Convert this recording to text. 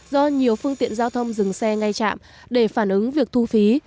do nhiều phương tiện giao thông rừng xe ngay trạm để phản ứng việc thu phí